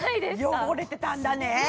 汚れてたんだね